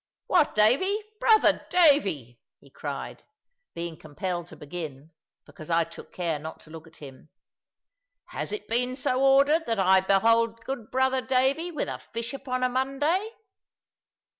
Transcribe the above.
"What, Davy! Brother Davy!" he cried, being compelled to begin, because I took care not to look at him. "Has it been so ordered that I behold good brother Davy with fish upon a Monday?"